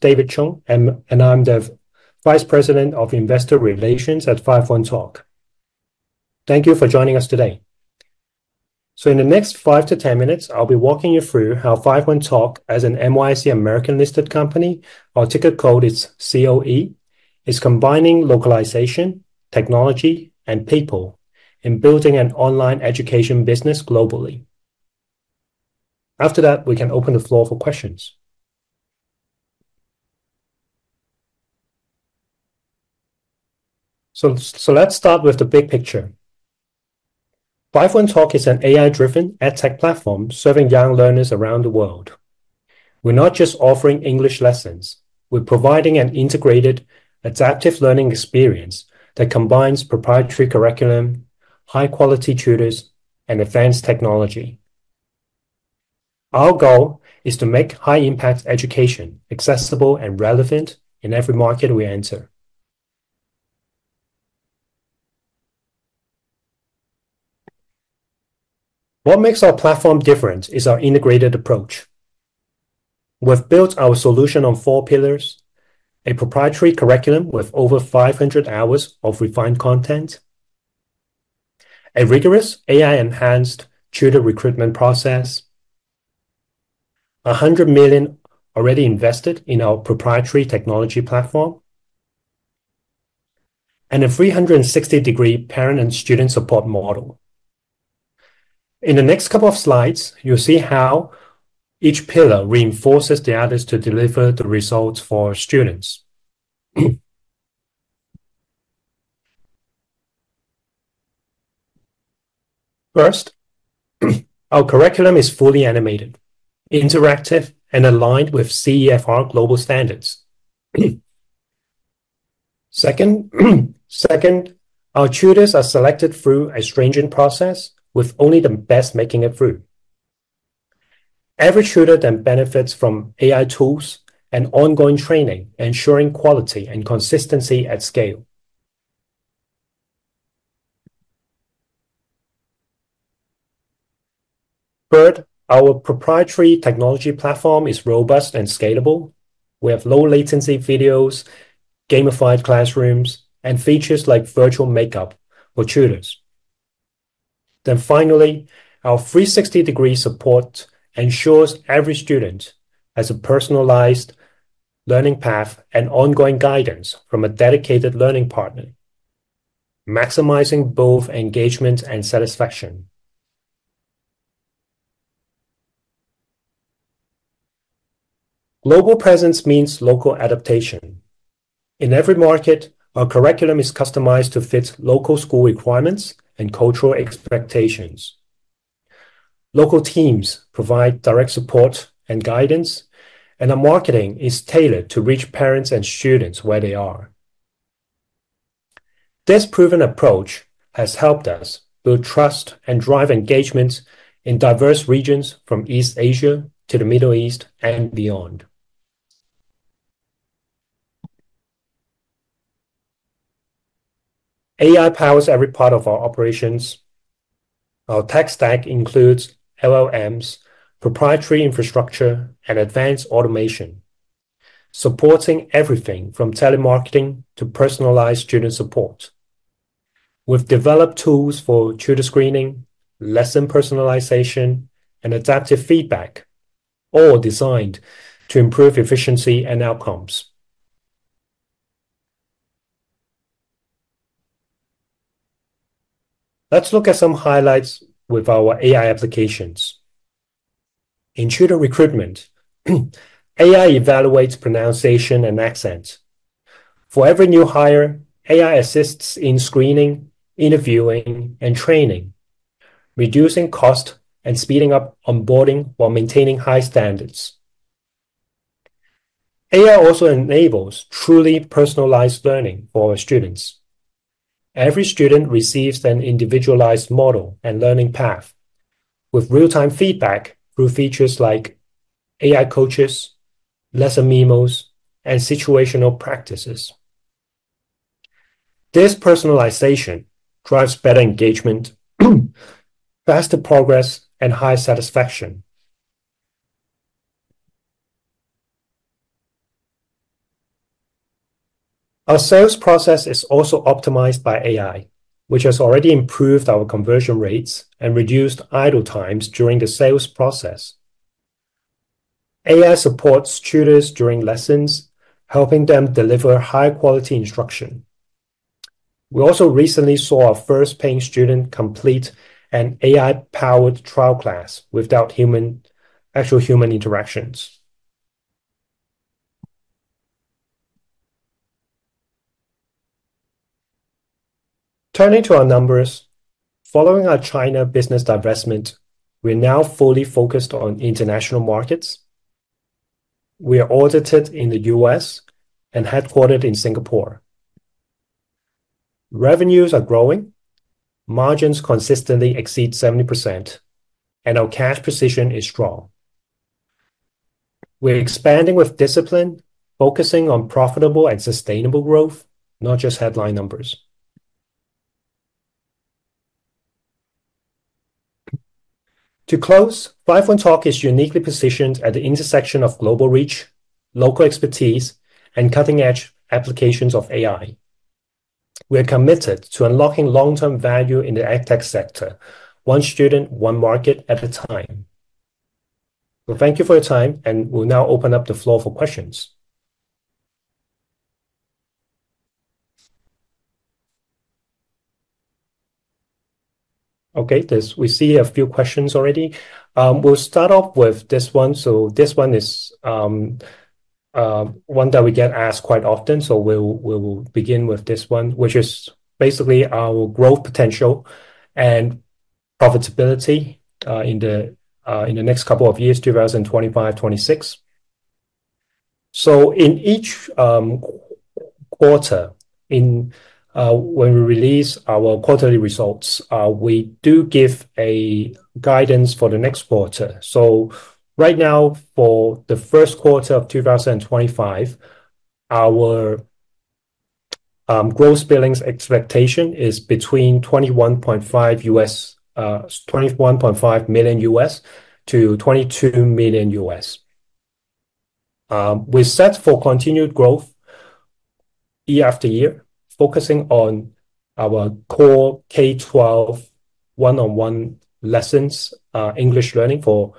David Chung, and I'm the Vice President of Investor Relations at 51Talk. Thank you for joining us today. In the next five to ten minutes, I'll be walking you through how 51Talk, as a NYSE American-listed company—our ticker code is COE—is combining localization, technology, and people in building an online education business globally. After that, we can open the floor for questions. Let's start with the big picture. 51Talk is an AI-driven edtech platform serving young learners around the world. We're not just offering English lessons; we're providing an integrated, adaptive learning experience that combines proprietary curriculum, high-quality tutors, and advanced technology. Our goal is to make high-impact education accessible and relevant in every market we enter. What makes our platform different is our integrated approach. We've built our solution on four pillars: a proprietary curriculum with over 500 hours of refined content, a rigorous AI-enhanced tutor recruitment process, $100 million already invested in our proprietary technology platform, and a 360-degree parent and student support model. In the next couple of slides, you'll see how each pillar reinforces the others to deliver the results for our students. First, our curriculum is fully animated, interactive, and aligned with CEFR global standards. Second, our tutors are selected through a stringent process, with only the best making it through. Every tutor then benefits from AI tools and ongoing training, ensuring quality and consistency at scale. Third, our proprietary technology platform is robust and scalable. We have low-latency videos, gamified classrooms, and features like virtual makeup for tutors. Our 360-degree support ensures every student has a personalized learning path and ongoing guidance from a dedicated learning partner, maximizing both engagement and satisfaction. Global presence means local adaptation. In every market, our curriculum is customized to fit local school requirements and cultural expectations. Local teams provide direct support and guidance, and our marketing is tailored to reach parents and students where they are. This proven approach has helped us build trust and drive engagement in diverse regions from East Asia to the Middle East and beyond. AI powers every part of our operations. Our tech stack includes LLMs, proprietary infrastructure, and advanced automation, supporting everything from telemarketing to personalized student support. We've developed tools for tutor screening, lesson personalization, and adaptive feedback, all designed to improve efficiency and outcomes. Let's look at some highlights with our AI applications. In tutor recruitment, AI evaluates pronunciation and accent. For every new hire, AI assists in screening, interviewing, and training, reducing cost and speeding up onboarding while maintaining high standards. AI also enables truly personalized learning for our students. Every student receives an individualized model and learning path, with real-time feedback through features like AI coaches, lesson memos, and situational practices. This personalization drives better engagement, faster progress, and higher satisfaction. Our sales process is also optimized by AI, which has already improved our conversion rates and reduced idle times during the sales process. AI supports tutors during lessons, helping them deliver high-quality instruction. We also recently saw our first paying student complete an AI-powered trial class without actual human interactions. Turning to our numbers, following our China business divestment, we're now fully focused on international markets. We are audited in the U.S. and headquartered in Singapore. Revenues are growing, margins consistently exceed 70%, and our cash position is strong. We're expanding with discipline, focusing on profitable and sustainable growth, not just headline numbers. To close, 51Talk is uniquely positioned at the intersection of global reach, local expertise, and cutting-edge applications of AI. We are committed to unlocking long-term value in the edtech sector, one student, one market at a time. Thank you for your time, and we'll now open up the floor for questions. Okay, we see a few questions already. We'll start off with this one. This one is one that we get asked quite often. We'll begin with this one, which is basically our growth potential and profitability in the next couple of years, 2025-2026. In each quarter, when we release our quarterly results, we do give guidance for the next quarter. Right now, for the first quarter of 2025, our gross billings expectation is between $21.5 million and $22 million. We set for continued growth year after year, focusing on our core K-12 one-on-one lessons, English learning for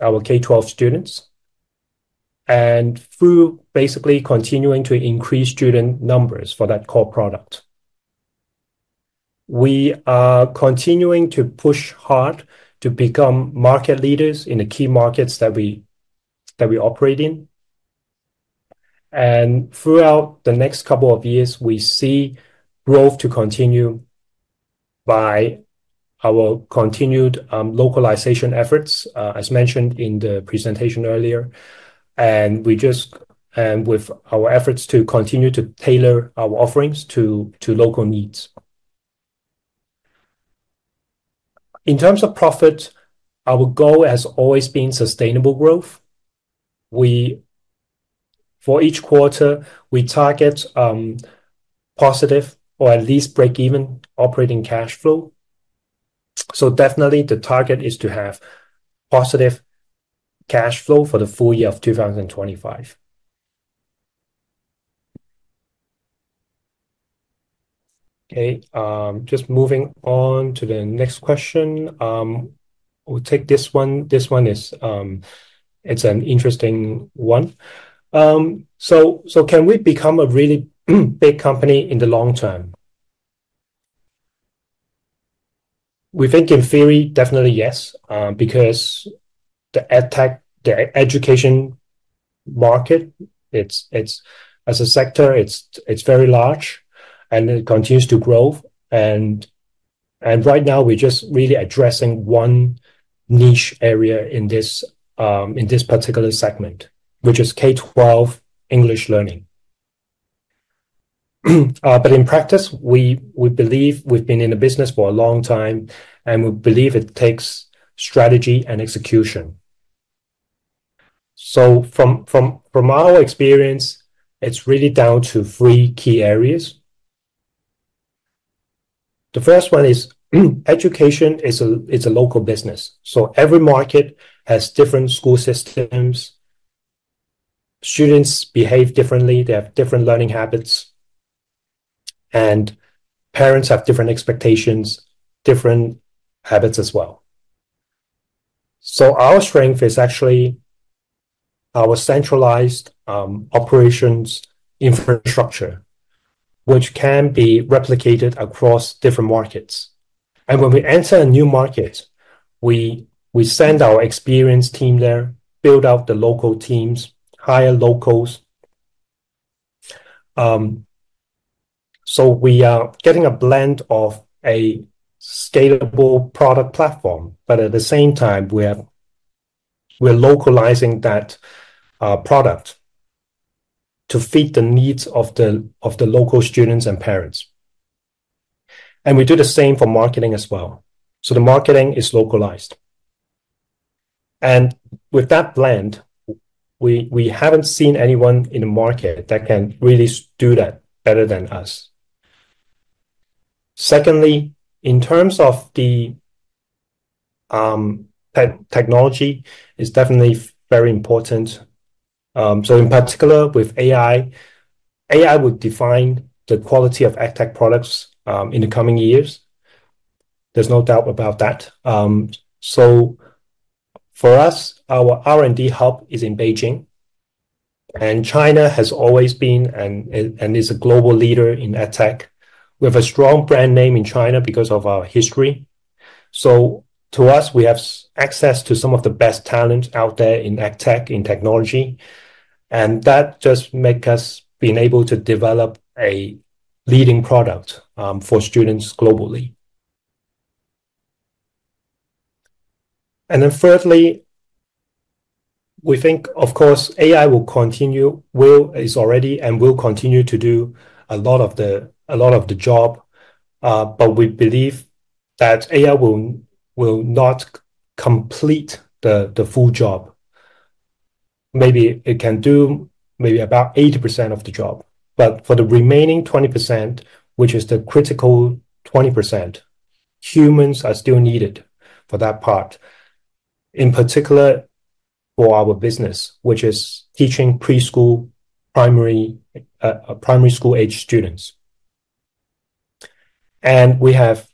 our K-12 students, and through basically continuing to increase student numbers for that core product. We are continuing to push hard to become market leaders in the key markets that we operate in. Throughout the next couple of years, we see growth continue by our continued localization efforts, as mentioned in the presentation earlier, and with our efforts to continue to tailor our offerings to local needs. In terms of profit, our goal has always been sustainable growth. For each quarter, we target positive or at least break-even operating cash flow. Definitely, the target is to have positive cash flow for the full year of 2025. Okay, just moving on to the next question. We'll take this one. This one is an interesting one. Can we become a really big company in the long term? We think in theory, definitely yes, because the edtech education market, as a sector, is very large, and it continues to grow. Right now, we're just really addressing one niche area in this particular segment, which is K-12 English learning. In practice, we believe we've been in the business for a long time, and we believe it takes strategy and execution. From our experience, it's really down to three key areas. The first one is education is a local business. Every market has different school systems. Students behave differently. They have different learning habits. Parents have different expectations, different habits as well. Our strength is actually our centralized operations infrastructure, which can be replicated across different markets. When we enter a new market, we send our experienced team there, build out the local teams, hire locals. We are getting a blend of a scalable product platform, but at the same time, we're localizing that product to fit the needs of the local students and parents. We do the same for marketing as well. The marketing is localized. With that blend, we haven't seen anyone in the market that can really do that better than us. Secondly, in terms of the technology, it's definitely very important. In particular, with AI, AI will define the quality of edtech products in the coming years. There's no doubt about that. For us, our R&D hub is in Beijing. China has always been and is a global leader in edtech. We have a strong brand name in China because of our history. To us, we have access to some of the best talents out there in edtech, in technology. That just makes us able to develop a leading product for students globally. Thirdly, we think, of course, AI will continue, is already, and will continue to do a lot of the job. We believe that AI will not complete the full job. Maybe it can do maybe about 80% of the job. For the remaining 20%, which is the critical 20%, humans are still needed for that part, in particular for our business, which is teaching preschool, primary school-age students. We have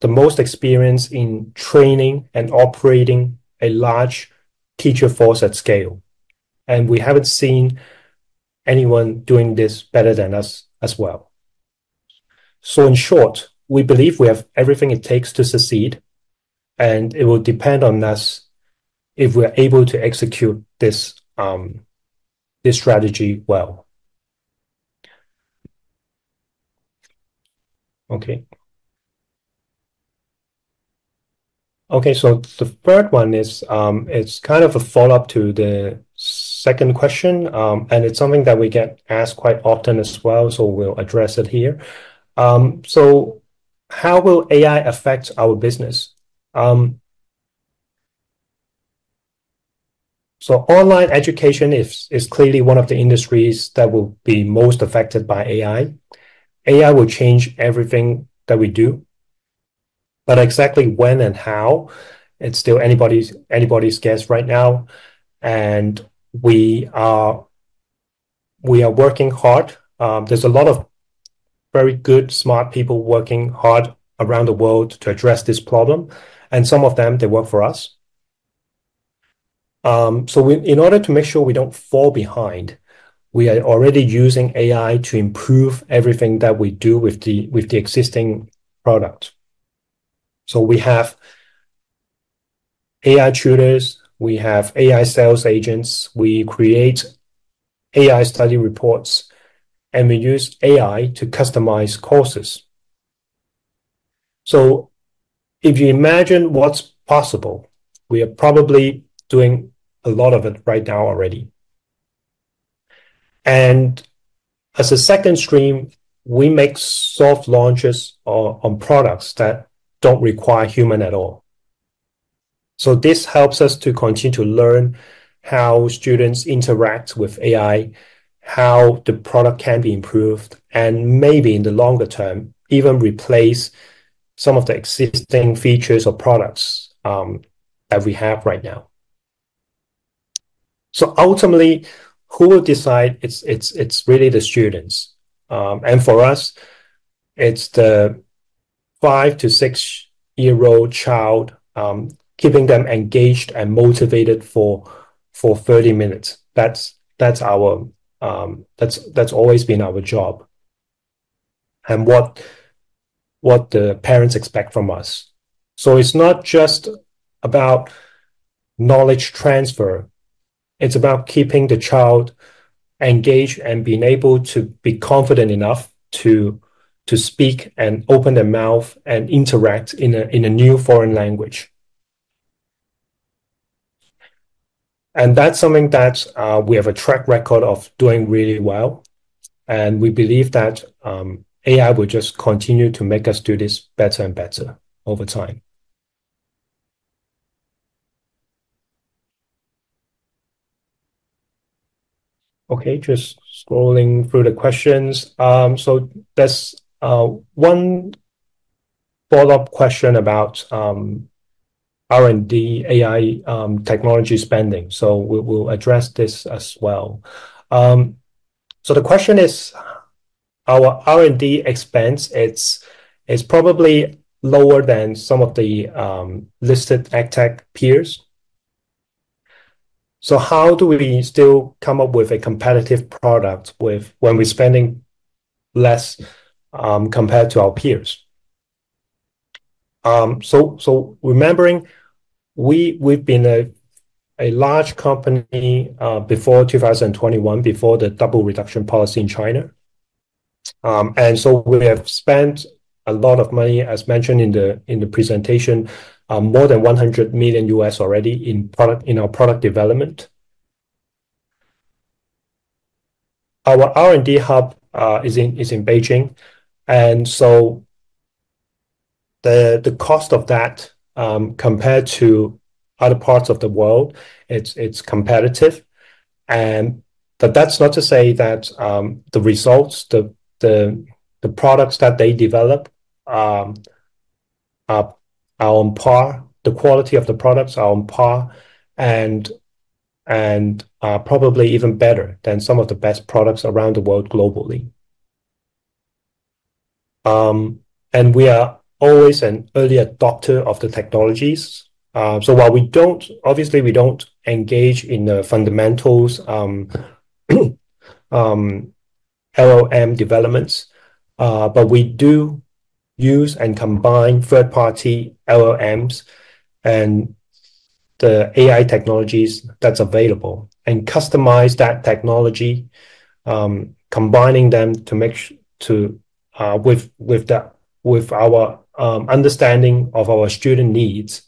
the most experience in training and operating a large teacher force at scale. We haven't seen anyone doing this better than us as well. In short, we believe we have everything it takes to succeed. It will depend on us if we are able to execute this strategy well. The third one is kind of a follow-up to the second question. It is something that we get asked quite often as well, so we will address it here. How will AI affect our business? Online education is clearly one of the industries that will be most affected by AI. AI will change everything that we do. Exactly when and how, it is still anybody's guess right now. We are working hard. There are a lot of very good, smart people working hard around the world to address this problem. Some of them work for us. In order to make sure we don't fall behind, we are already using AI to improve everything that we do with the existing product. We have AI tutors. We have AI sales agents. We create AI study reports. We use AI to customize courses. If you imagine what's possible, we are probably doing a lot of it right now already. As a second stream, we make soft launches on products that don't require a human at all. This helps us to continue to learn how students interact with AI, how the product can be improved, and maybe in the longer term, even replace some of the existing features or products that we have right now. Ultimately, who will decide? It's really the students. For us, it's the five to six-year-old child, keeping them engaged and motivated for 30 minutes. That's always been our job and what the parents expect from us. It's not just about knowledge transfer. It's about keeping the child engaged and being able to be confident enough to speak and open their mouth and interact in a new foreign language. That's something that we have a track record of doing really well. We believe that AI will just continue to make us do this better and better over time. Okay, just scrolling through the questions. There's one follow-up question about R&D AI technology spending. We'll address this as well. The question is, our R&D expense, it's probably lower than some of the listed edtech peers. How do we still come up with a competitive product when we're spending less compared to our peers? Remembering, we've been a large company before 2021, before the Double Reduction Policy in China. We have spent a lot of money, as mentioned in the presentation, more than $100 million already in our product development. Our R&D hub is in Beijing. The cost of that, compared to other parts of the world, is competitive. That is not to say that the results, the products that they develop, are on par. The quality of the products is on par and probably even better than some of the best products around the world globally. We are always an early adopter of the technologies. While we don't, obviously, we don't engage in the fundamentals LLM developments, we do use and combine third-party LLMs and the AI technologies that's available and customize that technology, combining them with our understanding of our student needs,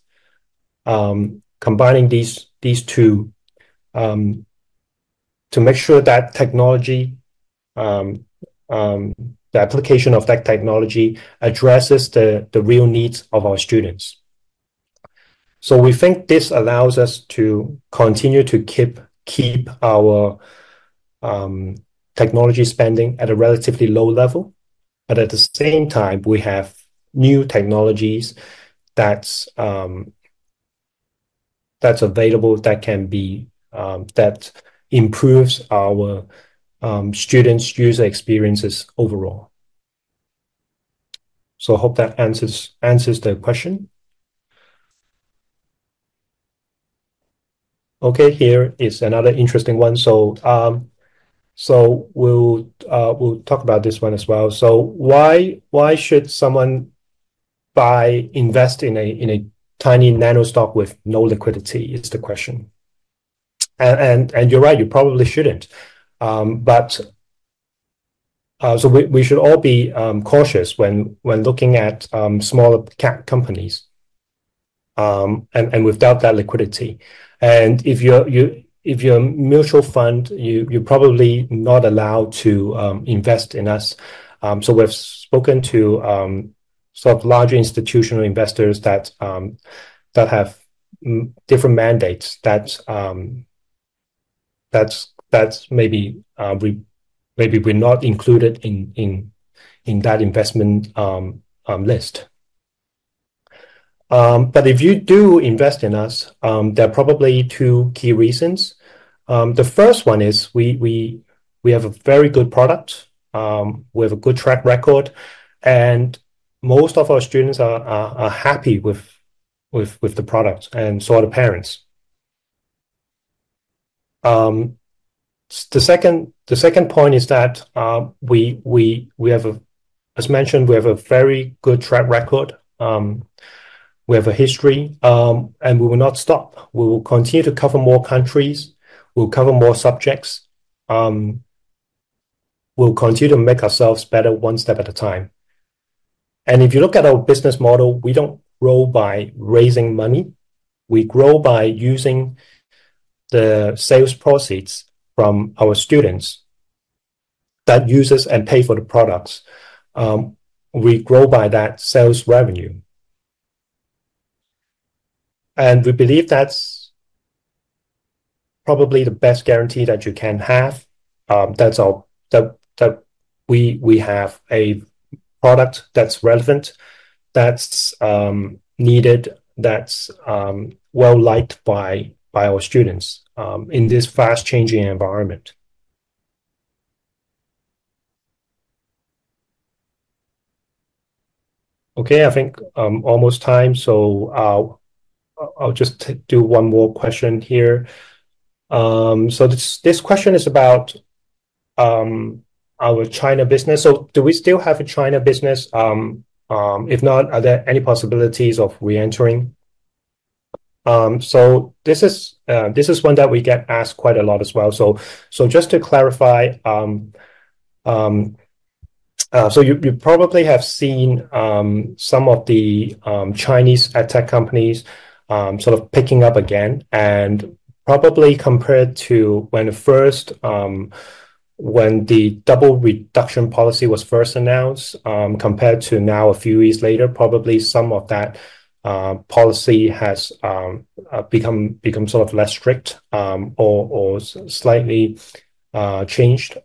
combining these two to make sure that technology, the application of that technology, addresses the real needs of our students. We think this allows us to continue to keep our technology spending at a relatively low level. At the same time, we have new technologies that's available that can be that improves our students' user experiences overall. I hope that answers the question. Okay, here is another interesting one. We'll talk about this one as well. Why should someone buy, invest in a tiny nano stock with no liquidity is the question. You're right, you probably shouldn't. We should all be cautious when looking at smaller companies and without that liquidity. If you're a mutual fund, you're probably not allowed to invest in us. We've spoken to some large institutional investors that have different mandates that maybe we're not included in that investment list. If you do invest in us, there are probably two key reasons. The first one is we have a very good product. We have a good track record. Most of our students are happy with the product and so are the parents. The second point is that, as mentioned, we have a very good track record. We have a history. We will not stop. We will continue to cover more countries. We'll cover more subjects. We'll continue to make ourselves better one step at a time. If you look at our business model, we do not grow by raising money. We grow by using the sales proceeds from our students that use us and pay for the products. We grow by that sales revenue. We believe that is probably the best guarantee that you can have that we have a product that is relevant, that is needed, that is well-liked by our students in this fast-changing environment. Okay, I think it is almost time. I will just do one more question here. This question is about our China business. Do we still have a China business? If not, are there any possibilities of re-entering? This is one that we get asked quite a lot as well. Just to clarify, you probably have seen some of the Chinese edtech companies sort of picking up again. Probably compared to when the Double Reduction Policy was first announced, compared to now a few years later, probably some of that policy has become sort of less strict or slightly changed.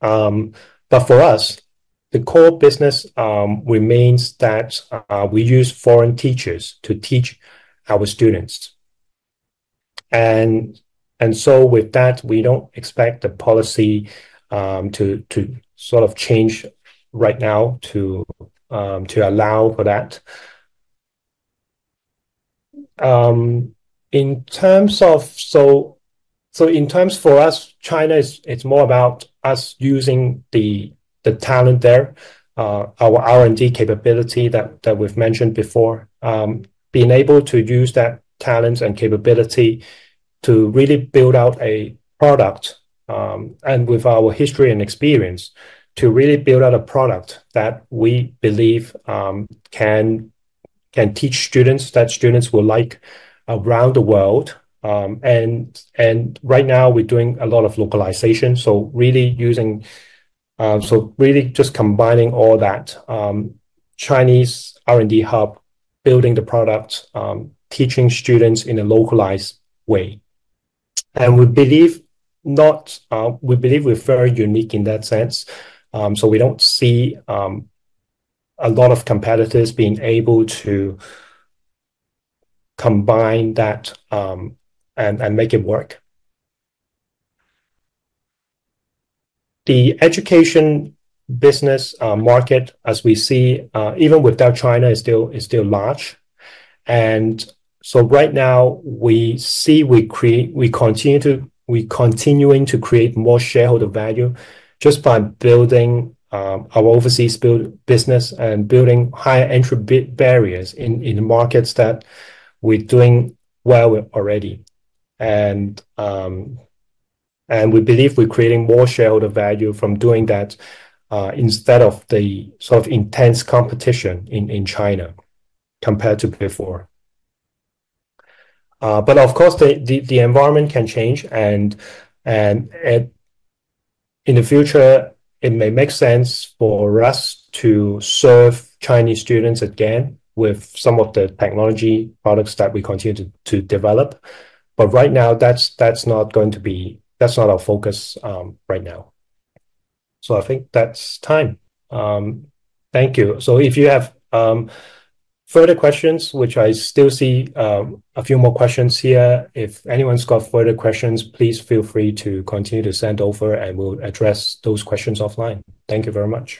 For us, the core business remains that we use foreign teachers to teach our students. With that, we do not expect the policy to sort of change right now to allow for that. In terms of, so in terms for us, China is more about us using the talent there, our R&D capability that we have mentioned before, being able to use that talent and capability to really build out a product. With our history and experience, to really build out a product that we believe can teach students that students will like around the world. Right now, we are doing a lot of localization. Really just combining all that Chinese R&D hub, building the product, teaching students in a localized way. We believe we're very unique in that sense. We don't see a lot of competitors being able to combine that and make it work. The education business market, as we see, even without China, is still large. Right now, we see we continue to create more shareholder value just by building our overseas business and building higher entry barriers in the markets that we're doing well already. We believe we're creating more shareholder value from doing that instead of the sort of intense competition in China compared to before. Of course, the environment can change. In the future, it may make sense for us to serve Chinese students again with some of the technology products that we continue to develop. Right now, that's not going to be, that's not our focus right now. I think that's time. Thank you. If you have further questions, which I still see a few more questions here, if anyone's got further questions, please feel free to continue to send over, and we'll address those questions offline. Thank you very much.